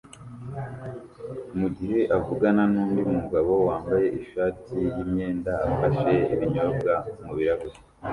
mugihe avugana nundi mugabo wambaye ishati yimyenda afashe ibinyobwa mubirahure